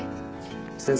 先生